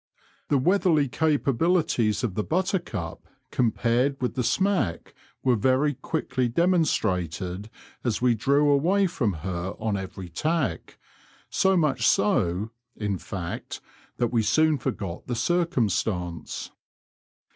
The weatherly capabilities of the Buttercup compared with the smack were very quickly demonstrated as we drew away from her on every tack — so much so, in fact, that we soon forgot the circumstance.